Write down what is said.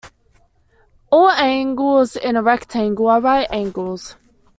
All angles in a rectangle are right angles.